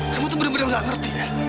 kamu itu benar benar gak ngerti ya